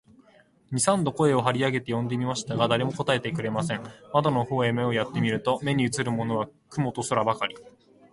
二三度声を張り上げて呼んでみましたが、誰も答えてくれません。窓の方へ目をやって見ると、目にうつるものは雲と空ばかり、